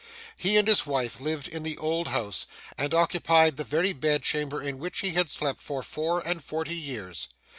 He and his wife lived in the old house, and occupied the very bedchamber in which he had slept for four and forty years.